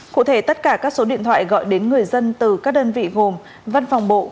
cụ thể tất cả các số điện thoại gọi đến người dân từ các đơn vị gồm văn phòng bộ